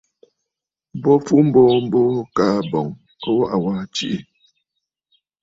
Bo fu mboo mboo, kaa ɨ̀bɔ̀ŋ ɨ waʼa waa tiʼì.